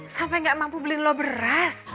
sampe ga mampu beli lo beras